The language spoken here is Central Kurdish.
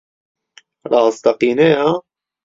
ڕاستەقینەیە؟